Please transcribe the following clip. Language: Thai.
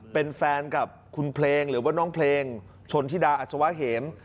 เป็นแฟนกับคุณเพลงหรือว่าน้องเพลงชนธิดาอัศวะเหม